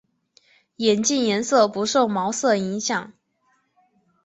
眼镜颜色不受毛色影响。